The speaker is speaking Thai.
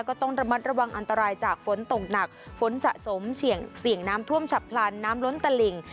ก็ต้องระมัดระวังอันตรายจากฝนตกหนักฝนสะสมเสี่ยงน้ำท่วมฉับพลันน้ำล้นตลิ่ง